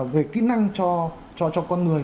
về kỹ năng cho con người